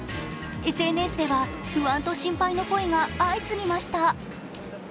ＳＮＳでは不安と心配の声が相次ぎました。